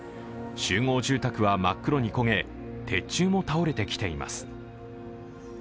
集合住宅は真っ黒に焦げ鉄柱も倒れてきています。